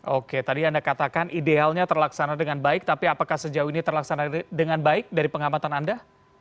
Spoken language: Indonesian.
oke tadi anda katakan idealnya terlaksana dengan baik tapi apakah sejauh ini terlaksana dengan baik dari pengamatan anda